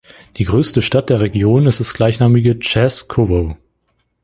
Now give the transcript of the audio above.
Die größte Stadt der Region ist das gleichnamige Chaskowo.